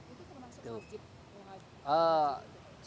itu termasuk masjid muhajirin